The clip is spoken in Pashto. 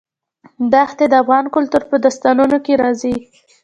ښتې د افغان کلتور په داستانونو کې راځي.